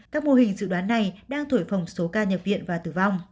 các mô hình dự đoán này đang thổi phòng số ca nhập viện và tử vong